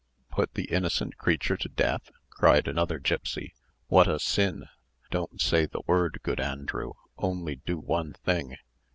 "Put the innocent creature to death!" cried another gipsy. "What a sin! Don't say the word, good Andrew; only do one thing.